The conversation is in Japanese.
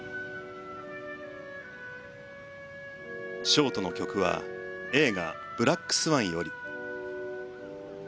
ショートの曲は映画「ブラック・スワン」より。